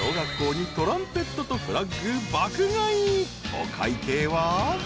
［お会計は？］